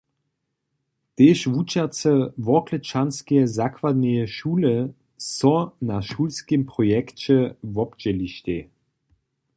Tež wučerce Worklečanskeje zakładneje šule so na šulskim projekće wobdźělištej.